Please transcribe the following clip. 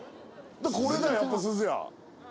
これだよやっぱすずや。